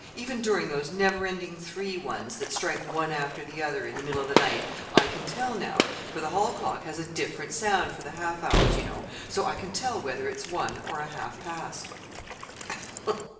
Even during those never ending three ones that strike one after the other in the middle of the night, I can tell now, for the hall clock has a different sound for the half hours, you know, so I can tell whether it's one or a half past."